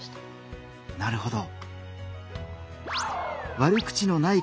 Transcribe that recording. なるほど。